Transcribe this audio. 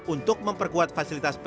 untuk memperkuat fasilitas kapal